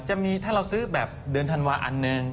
จะมีถ้าเราซื้อแบบเดือนธันวาอันหนึ่ง